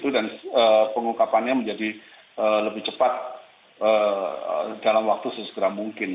dan pengungkapannya menjadi lebih cepat dalam waktu sesegera mungkin